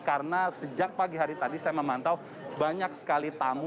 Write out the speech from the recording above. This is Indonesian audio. karena sejak pagi hari tadi saya memantau banyak sekali tamu